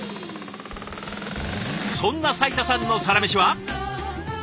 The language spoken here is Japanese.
そんな斉田さんのサラメシは。